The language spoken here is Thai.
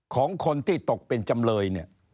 ของคนที่ตกเป็นจำเลยเนี่ย